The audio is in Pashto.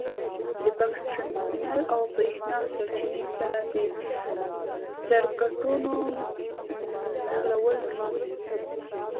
د بکس ټرمینل او برېښنا سرچینې سره د سرکټونو نښلول مهم دي.